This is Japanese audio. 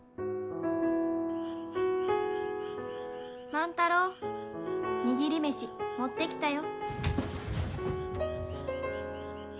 ・万太郎握り飯持ってきたよ。